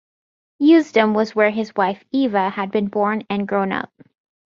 Usedom was where his wife Eva had been born and grown up.